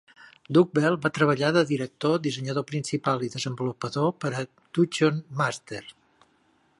Doug Bell va treballar de director, dissenyador principal i desenvolupador per a Dungeon Master.